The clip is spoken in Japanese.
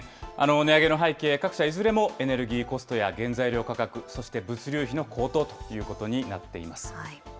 値上げの背景、各社いずれもエネルギーコストや原材料価格、そして物流費の高騰ということになっています。